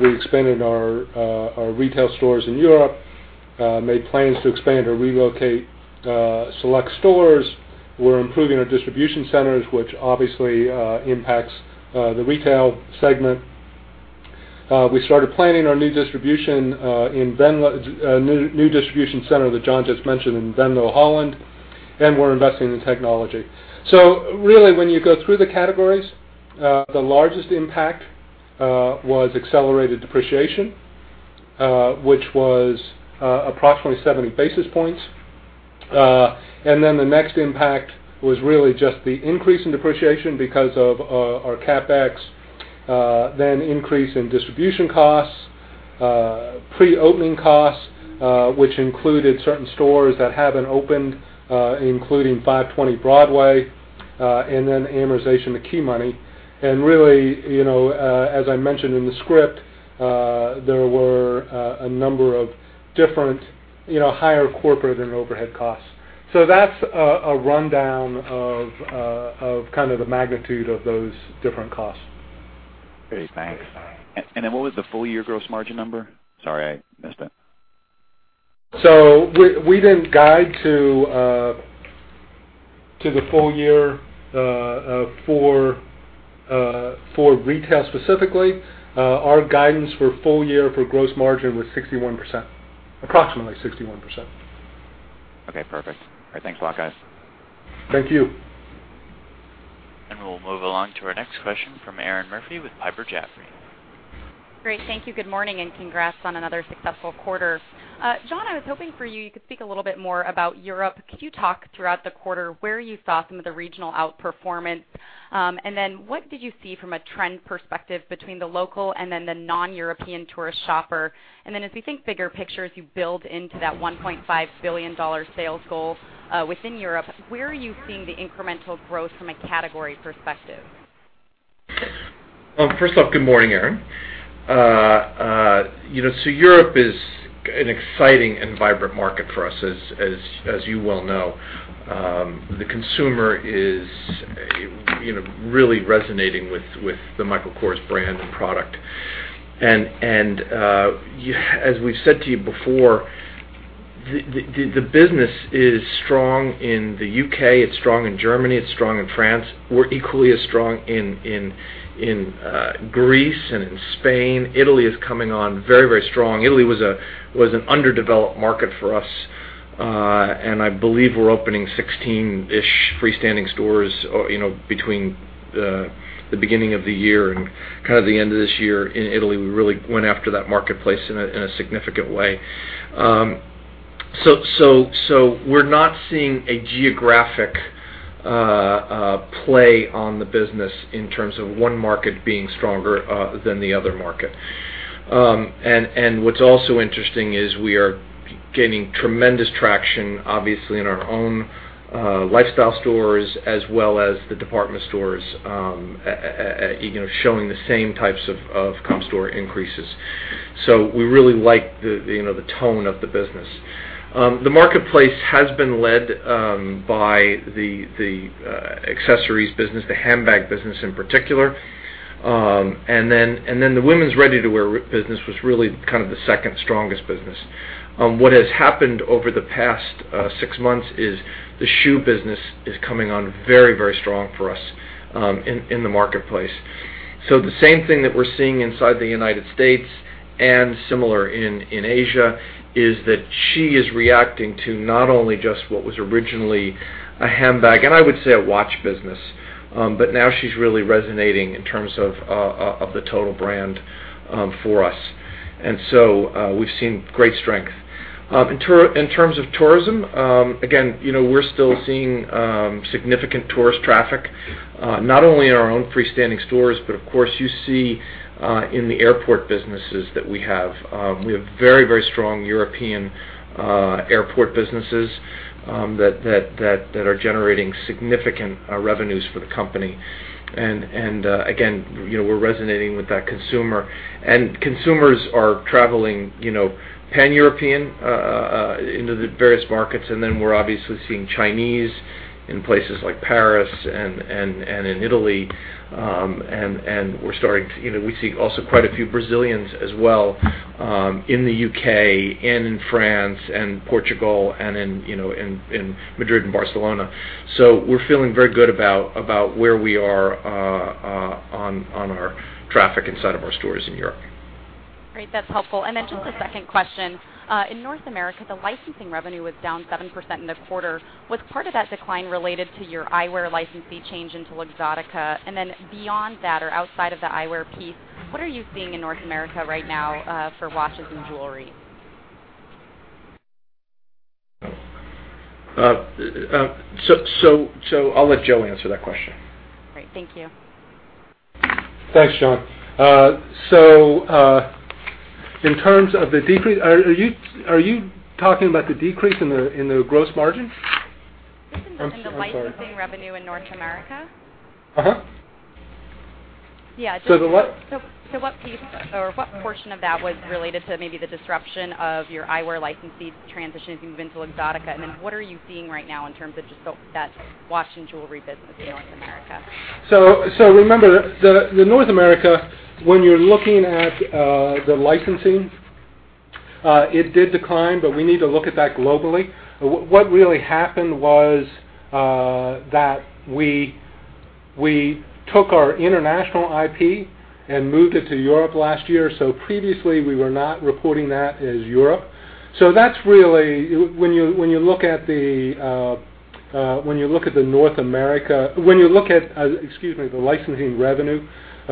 We expanded our retail stores in Europe, made plans to expand or relocate select stores. We're improving our distribution centers, which obviously impacts the retail segment. We started planning our new distribution center that John just mentioned in Venlo, Holland. We're investing in technology. Really, when you go through the categories, the largest impact was accelerated depreciation, which was approximately 70 basis points. The next impact was really just the increase in depreciation because of our CapEx. Increase in distribution costs, pre-opening costs, which included certain stores that haven't opened, including 520 Broadway, and then amortization of key money. Really, as I mentioned in the script, there were a number of different higher corporate and overhead costs. That's a rundown of the magnitude of those different costs. Great, thanks. What was the full-year gross margin number? Sorry, I missed that. We didn't guide to the full year for retail specifically. Our guidance for full year for gross margin was approximately 61%. Okay, perfect. All right, thanks a lot, guys. Thank you. We'll move along to our next question from Erinn Murphy with Piper Jaffray. Great, thank you. Good morning, congrats on another successful quarter. John, I was hoping for you could speak a little bit more about Europe. Could you talk throughout the quarter where you saw some of the regional outperformance? What did you see from a trend perspective between the local and the non-European tourist shopper? As we think bigger picture, as you build into that $1.5 billion sales goal within Europe, where are you seeing the incremental growth from a category perspective? First off, good morning, Erinn. Europe is an exciting and vibrant market for us, as you well know. The consumer is really resonating with the Michael Kors brand and product. As we've said to you before, the business is strong in the U.K., it's strong in Germany, it's strong in France. We're equally as strong in Greece and in Spain. Italy is coming on very strong. Italy was an underdeveloped market for us. I believe we're opening 16-ish freestanding stores between the beginning of the year and the end of this year in Italy. We really went after that marketplace in a significant way. We're not seeing a geographic play on the business in terms of one market being stronger than the other market. What's also interesting is we are gaining tremendous traction, obviously, in our own lifestyle stores, as well as the department stores showing the same types of comp store increases. We really like the tone of the business. The marketplace has been led by the accessories business, the handbag business in particular, the women's ready-to-wear business was really the second strongest business. What has happened over the past six months is the shoe business is coming on very strong for us in the marketplace. The same thing that we're seeing inside the United States and similar in Asia is that she is reacting to not only just what was originally a handbag, I would say a watch business, but now she's really resonating in terms of the total brand for us. We've seen great strength. In terms of tourism, again, we're still seeing significant tourist traffic, not only in our own freestanding stores, but of course, you see in the airport businesses that we have. We have very strong European airport businesses that are generating significant revenues for the company. Again, we're resonating with that consumer. Consumers are traveling pan-European into the various markets, then we're obviously seeing Chinese in places like Paris and in Italy. We see also quite a few Brazilians as well in the U.K. and in France and Portugal and in Madrid and Barcelona. We're feeling very good about where we are on our traffic inside of our stores in Europe. Great. That's helpful. Then just a second question. In North America, the licensing revenue was down 7% in the quarter. Was part of that decline related to your eyewear licensee change into Luxottica? Then beyond that or outside of the eyewear piece, what are you seeing in North America right now for watches and jewelry? I'll let Joe answer that question. Great. Thank you. Thanks, John. In terms of the decrease, are you talking about the decrease in the gross margin? I'm sorry. Just in the licensing revenue in North America. Yeah. The what? What portion of that was related to maybe the disruption of your eyewear licensees transitioning to move into Luxottica? What are you seeing right now in terms of just that watch and jewelry business in North America? Remember, North America, when you're looking at the licensing, it did decline, but we need to look at that globally. What really happened was that we took our international IP and moved it to Europe last year. Previously, we were not reporting that as Europe. That's really when you look at, excuse me, the licensing revenue,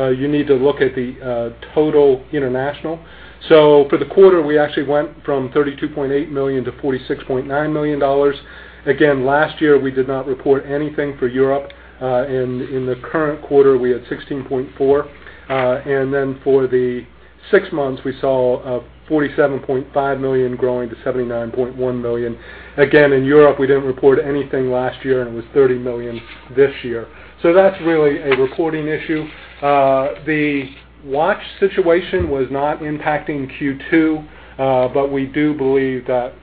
you need to look at the total international. For the quarter, we actually went from $32.8 million to $46.9 million. Again, last year, we did not report anything for Europe. In the current quarter, we had $16.4 million. And then for the six months, we saw $47.5 million growing to $79.1 million. Again, in Europe, we didn't report anything last year, and it was $30 million this year. That's really a reporting issue. The watch situation was not impacting Q2, but we do believe that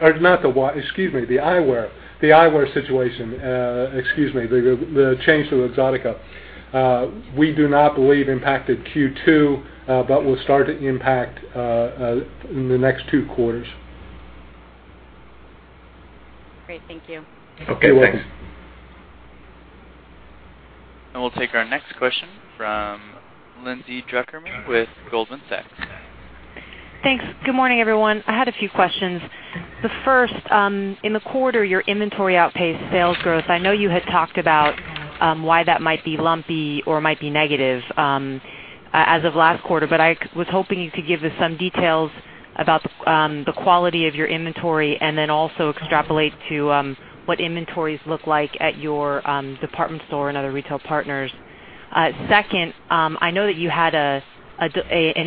the eyewear situation. Excuse me, the change to Luxottica. We do not believe impacted Q2, but will start to impact in the next two quarters. Great. Thank you. Okay, thanks. You're welcome. We'll take our next question from Lindsay Drucker Mann with Goldman Sachs. Thanks. Good morning, everyone. I had a few questions. The first, in the quarter, your inventory outpaced sales growth. I know you had talked about why that might be lumpy or might be negative as of last quarter, but I was hoping you could give us some details about the quality of your inventory and then also extrapolate to what inventories look like at your department store and other retail partners. Second, I know that you had an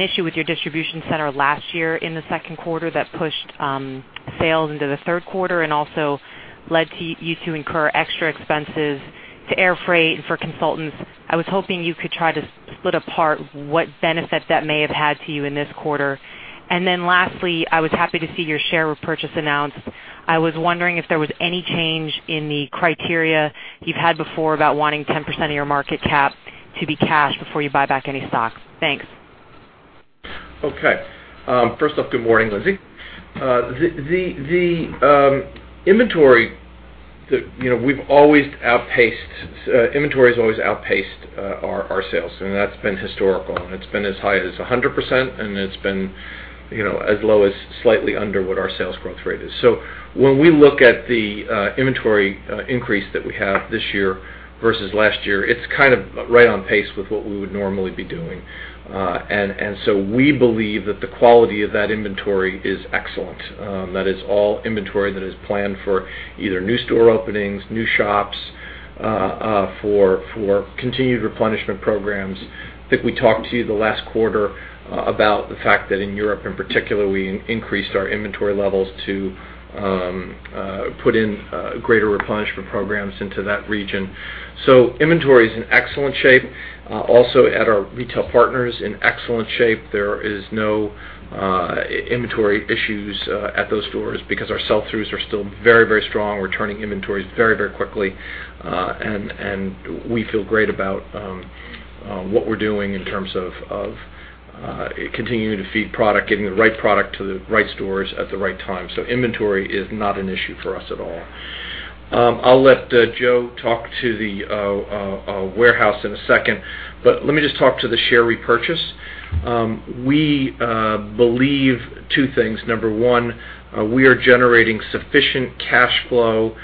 issue with your distribution center last year in the second quarter that pushed sales into the third quarter and also led you to incur extra expenses to air freight and for consultants. I was hoping you could try to split apart what benefit that may have had to you in this quarter. Lastly, I was happy to see your share repurchase announced. I was wondering if there was any change in the criteria you've had before about wanting 10% of your market cap to be cash before you buy back any stocks. Thanks. Good morning, Lindsay. The inventory that we've always outpaced. Inventory has always outpaced our sales, and that's been historical, and it's been as high as 100%, and it's been as low as slightly under what our sales growth rate is. When we look at the inventory increase that we have this year versus last year, it's kind of right on pace with what we would normally be doing. We believe that the quality of that inventory is excellent. That is all inventory that is planned for either new store openings, new shops, for continued replenishment programs. I think we talked to you the last quarter about the fact that in Europe in particular, we increased our inventory levels to put in greater replenishment programs into that region. Inventory is in excellent shape. Also at our retail partners in excellent shape. There is no inventory issues at those stores because our sell-throughs are still very, very strong. We're turning inventories very, very quickly. We feel great about what we're doing in terms of continuing to feed product, getting the right product to the right stores at the right time. Inventory is not an issue for us at all. I'll let Joe talk to the warehouse in a second, but let me just talk to the share repurchase. We believe two things. Number one, we are generating sufficient cash flow,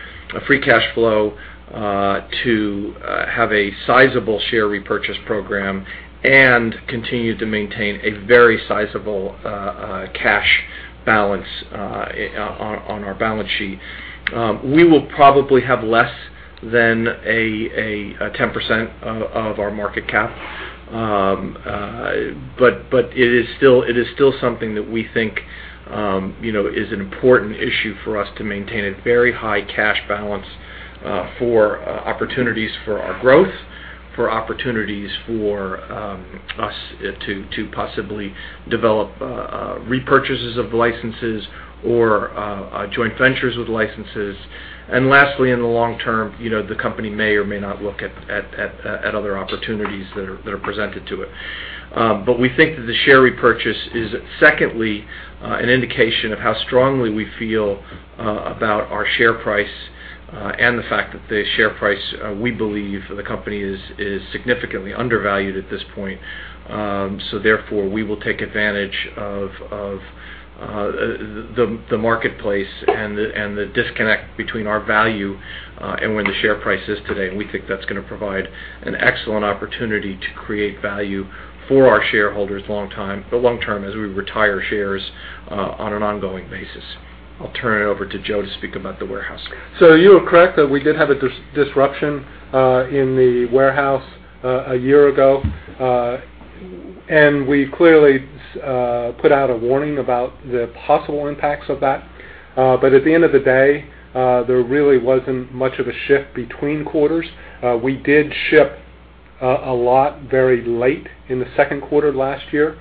free cash flow, to have a sizable share repurchase program and continue to maintain a very sizable cash balance on our balance sheet. We will probably have less than a 10% of our market cap. It is still something that we think is an important issue for us to maintain a very high cash balance for opportunities for our growth, for opportunities for us to possibly develop repurchases of licenses or joint ventures with licenses. Lastly, in the long term, the company may or may not look at other opportunities that are presented to it. We think that the share repurchase is secondly, an indication of how strongly we feel about our share price and the fact that the share price, we believe the company is significantly undervalued at this point. Therefore, we will take advantage of the marketplace and the disconnect between our value and where the share price is today. We think that's going to provide an excellent opportunity to create value for our shareholders the long-term, as we retire shares on an ongoing basis. I'll turn it over to Joe to speak about the warehouse. You are correct that we did have a disruption in the warehouse a year ago. We clearly put out a warning about the possible impacts of that. At the end of the day, there really wasn't much of a shift between quarters. We did ship a lot very late in the second quarter last year,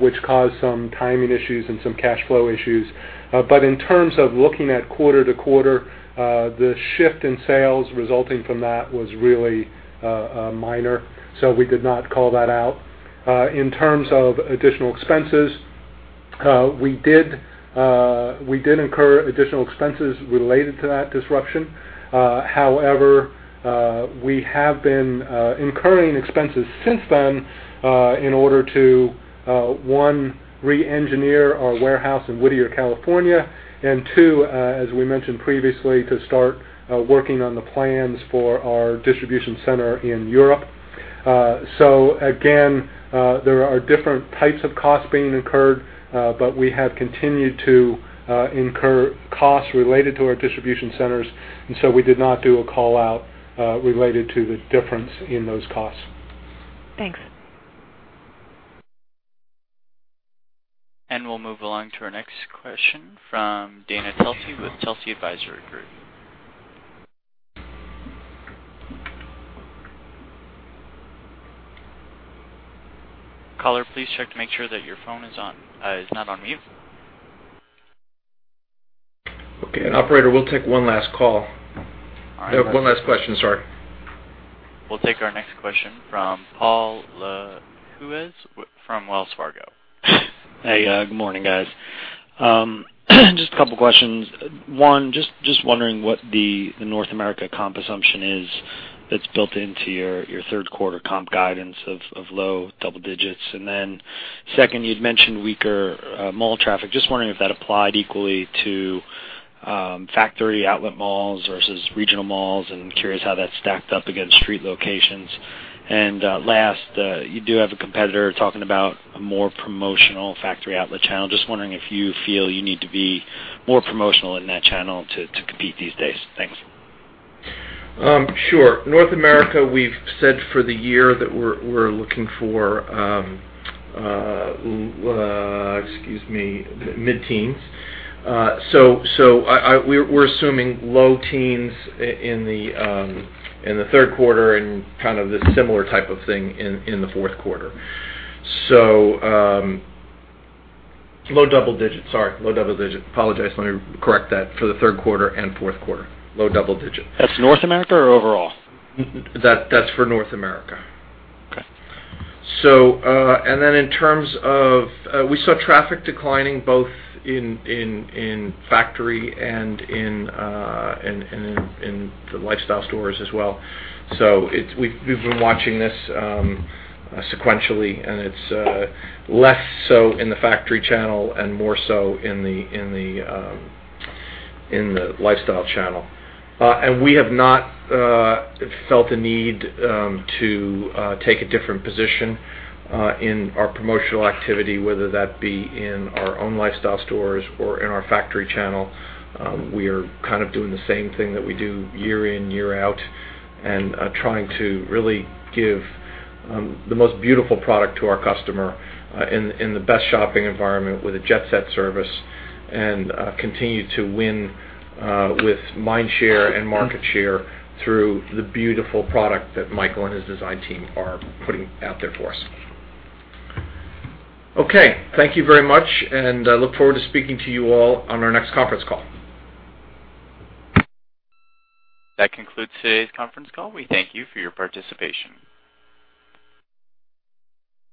which caused some timing issues and some cash flow issues. In terms of looking at quarter to quarter, the shift in sales resulting from that was really minor. We did not call that out. In terms of additional expenses We did incur additional expenses related to that disruption. However, we have been incurring expenses since then in order to, one, re-engineer our warehouse in Whittier, California, and two, as we mentioned previously, to start working on the plans for our distribution center in Europe. Again, there are different types of costs being incurred, but we have continued to incur costs related to our distribution centers, we did not do a call-out related to the difference in those costs. Thanks. We'll move along to our next question from Dana Telsey with Telsey Advisory Group. Caller, please check to make sure that your phone is not on mute. Okay. Operator, we'll take one last call. All right. One last question, sorry. We'll take our next question from Paul Lejuez from Wells Fargo. Hey, good morning, guys. Just a couple of questions. One, just wondering what the North America comp assumption is that's built into your third quarter comp guidance of low double digits. Second, you'd mentioned weaker mall traffic. Just wondering if that applied equally to factory outlet malls versus regional malls, and I'm curious how that stacked up against street locations. Last, you do have a competitor talking about a more promotional factory outlet channel. Just wondering if you feel you need to be more promotional in that channel to compete these days. Thanks. Sure. North America, we've said for the year that we're looking for mid-teens. We're assuming low teens in the third quarter and kind of the similar type of thing in the fourth quarter. Low double digits. Sorry. Low double digits. Apologize. Let me correct that for the third quarter and fourth quarter, low double digits. That's North America or overall? That's for North America. Okay. We saw traffic declining both in factory and in the lifestyle stores as well. We've been watching this sequentially, and it's less so in the factory channel and more so in the lifestyle channel. We have not felt a need to take a different position in our promotional activity, whether that be in our own lifestyle stores or in our factory channel. We are kind of doing the same thing that we do year in, year out, and trying to really give the most beautiful product to our customer in the best shopping environment with a Jet Set service. Continue to win with mind share and market share through the beautiful product that Michael and his design team are putting out there for us. Okay. Thank you very much, and I look forward to speaking to you all on our next conference call. That concludes today's conference call. We thank you for your participation.